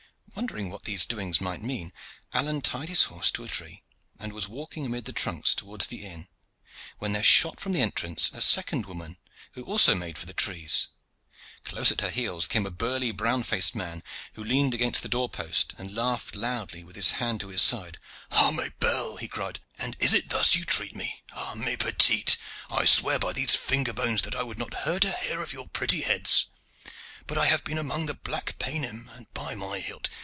Wondering what these doings might mean, Alleyne tied his horse to a tree, and was walking amid the trunks towards the inn, when there shot from the entrance a second woman who made also for the trees. Close at her heels came a burly, brown faced man, who leaned against the door post and laughed loudly with his hand to his side, "Ah, mes belles!" he cried, "and is it thus you treat me? Ah, mes petites! I swear by these finger bones that I would not hurt a hair of your pretty heads; but I have been among the black paynim, and, by my hilt!